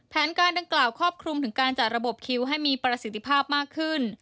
แผนการดังกล่าวครอบคลุมถึงการจัดระบบคิวให้มีประสิทธิภาพมากขึ้น